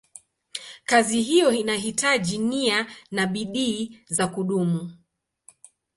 Kazi hiyo inahitaji nia na bidii za kudumu.